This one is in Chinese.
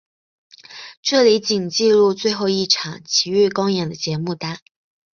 这里仅记录最后一场琦玉公演的节目单。